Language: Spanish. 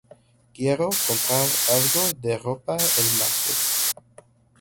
Quiero comprar algo de ropa el martes.